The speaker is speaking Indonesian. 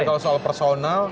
tapi kalau soal personal